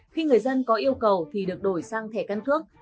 khi người dân có yêu cầu thì được đổi sang thẻ căn cước